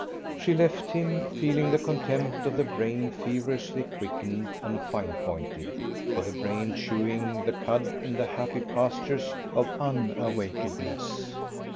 She left him, feeling the contempt of the brain feverishly quickened and fine pointed, for the brain chewing the cud in the happy pastures of unawakedness.